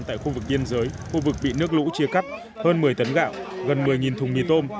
tại khu vực biên giới khu vực bị nước lũ chia cắt hơn một mươi tấn gạo gần một mươi thùng mì tôm